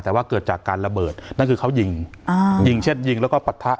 แต่ว่าเกิดจากการระเบิดนั่นคือเขายิงอ่ายิงยิงเช่นยิงแล้วก็ปะทะ